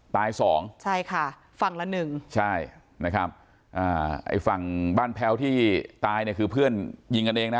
ตายสองใช่ค่ะฝั่งละหนึ่งใช่นะครับอ่าไอ้ฝั่งบ้านแพ้วที่ตายเนี่ยคือเพื่อนยิงกันเองนะ